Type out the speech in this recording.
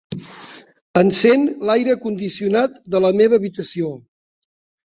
Encén l'aire condicionat de la meva habitació.